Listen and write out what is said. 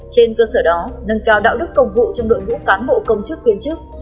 trên cơ sở đó nâng cao đạo đức công vụ trong đội ngũ cán bộ công chức viên chức